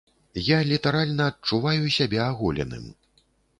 Я літаральна адчуваю сябе аголеным!